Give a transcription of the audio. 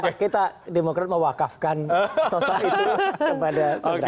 kita kita demokrasi mewakafkan sosok itu kepada saudara